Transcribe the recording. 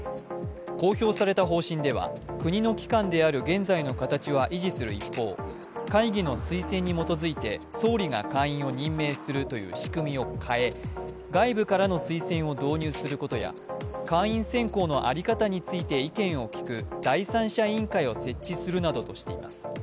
公表された方針では国の機関である現在の形は維持する一方、会議の推薦に基づいて総理が会員を任命するという仕組みを変え外部からの推薦を導入することや会員選考の在り方について意見を聞く第三者委員会を設置するなどとしています。